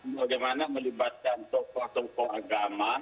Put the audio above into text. bagaimana melibatkan tokoh tokoh agama